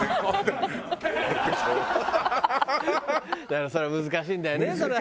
だからそれが難しいんだよねそれが。